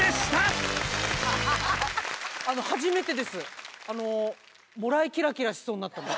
初めてですあのもらいキラキラしそうになったの。